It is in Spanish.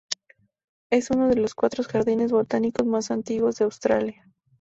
Es uno de los cuatro jardines botánicos más antiguos de Australia.